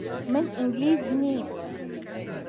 من ئینگلیز نیم.